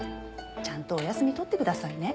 ちゃんとお休み取ってくださいね。